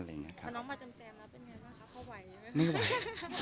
คุณน้องมาจำแจมแล้วเป็นยังไงบ้างครับเขาไหวไหม